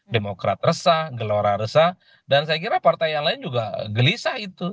demokrat resah gelora resah dan saya kira partai yang lain juga gelisah itu